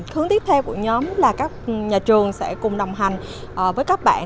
hướng tiếp theo của nhóm là các nhà trường sẽ cùng đồng hành với các bạn